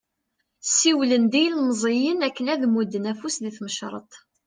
Siwlen-d i yilmeẓyen akken ad d-mudden afus di tmecreḍt.